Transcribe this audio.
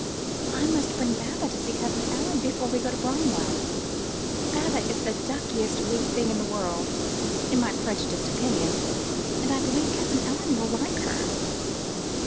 "I must bring Baba to see Cousin Ellen before we go to Bramwell. Baba is the duckiest wee thing in the world in my prejudiced opinion and I believe Cousin Ellen will like her."